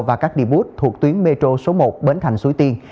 và các điểm bút thuộc tuyến metro số một bến thành suối tiên